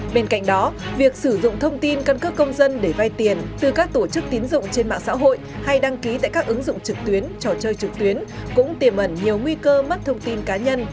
bên cạnh đó việc sử dụng thông tin căn cước công dân để vai tiền từ các tổ chức tín dụng trên mạng xã hội hay đăng ký tại các ứng dụng trực tuyến trò chơi trực tuyến cũng tiềm ẩn nhiều nguy cơ mất thông tin cá nhân